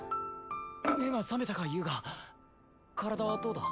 目が覚めたか遊我体はどうだ？